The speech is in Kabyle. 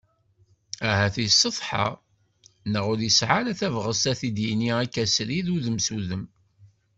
Ahat yessetḥa, neɣ ur yesɛi ara tabɣest a t-id-yini akka srid udem s udem.